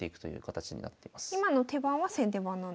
今の手番は先手番なんですね。